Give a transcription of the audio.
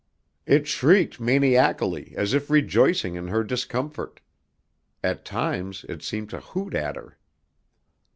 It shrieked maniacally as if rejoicing in her discomfort. At times it seemed to hoot at her.